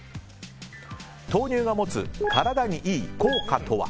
豆乳が持つ体にいい効果とは？